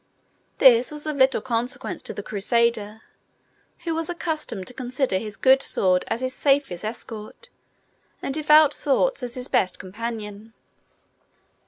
This was of little consequence to the Crusader, who was accustomed to consider his good sword as his safest escort, and devout thoughts as his best companion.